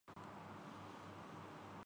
سختی سے مذمت ہوئی ہے